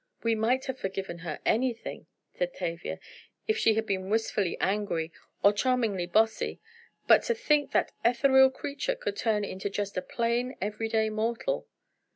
"We might have forgiven her anything," said Tavia, "if she had been wistfully angry, or charmingly bossy; but to think that ethereal creature could turn into just a plain, everyday mortal!"